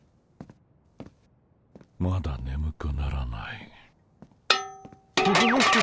まだねむくならない。